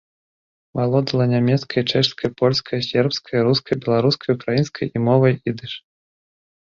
Валодала нямецкай, чэшскай, польскай, сербскай, рускай, беларускай, украінскай і мовай ідыш.